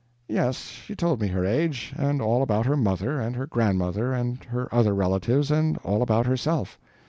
"Yes, she told me her age, and all about her mother, and her grandmother, and her other relations, and all about herself."